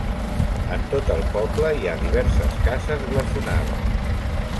En tot el poble hi ha diverses cases blasonades.